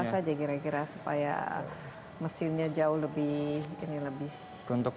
apa saja kira kira supaya mesinnya jauh lebih kuat ya